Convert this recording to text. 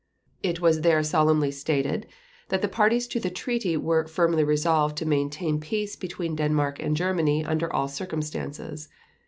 It was there solemnly stated that the parties to the Treaty were "firmly resolved to maintain peace between Denmark and Germany under all circumstances."